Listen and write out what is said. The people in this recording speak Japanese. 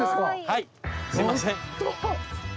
はいすいません。